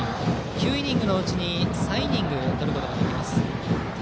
９イニングのうちに３イニングとることができます。